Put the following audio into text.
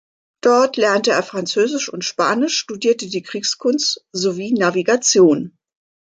Dort lernte er Französisch und Spanisch, studierte die Kriegskunst sowie Navigation.